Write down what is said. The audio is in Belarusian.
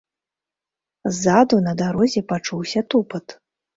Ззаду на дарозе пачуўся тупат.